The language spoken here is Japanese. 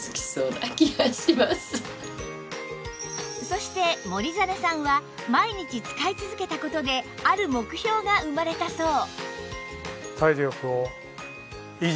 そして森実さんは毎日使い続けた事である目標が生まれたそう